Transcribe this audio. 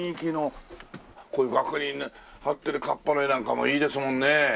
こういう額に貼ってる河童の絵なんかもいいですもんね。